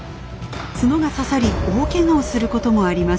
角が刺さり大けがをすることもあります。